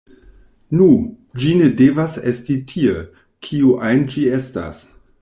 “Nu, ĝi ne devas esti tie, kio ajn ĝi estas.